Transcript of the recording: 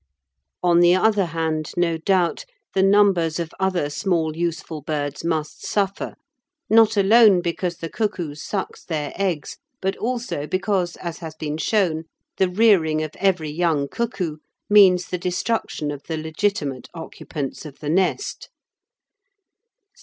On the other hand, no doubt, the numbers of other small useful birds must suffer, not alone because the cuckoo sucks their eggs, but also because, as has been shown, the rearing of every young cuckoo means the destruction of the legitimate occupants of the nest.